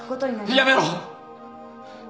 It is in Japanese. やめろ。